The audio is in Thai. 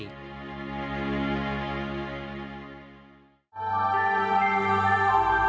ครับ